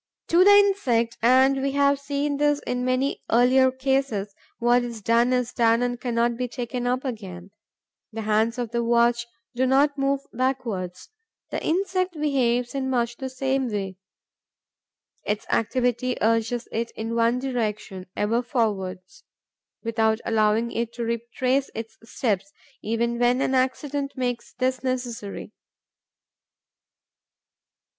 To the insect and we have seen this in many earlier cases what is done is done and cannot be taken up again. The hands of a watch do not move backwards. The insect behaves in much the same way. Its activity urges it in one direction, ever forwards, without allowing it to retrace its steps, even when an accident makes this necessary.